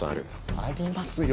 ありますよ。